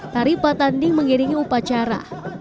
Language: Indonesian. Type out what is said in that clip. tari patanding mengiringi upacara